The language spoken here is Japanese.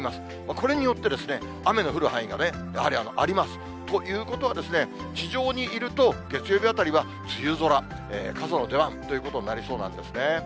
これによってですね、雨の降る範囲がやはりあります。ということはですね、地上にいると月曜日あたりは梅雨空、傘の出番ということになりそうなんですね。